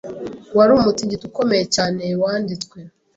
Wari umutingito ukomeye cyane wanditswe.